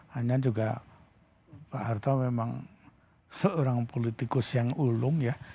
hanya juga pak harto memang seorang politikus yang ulung ya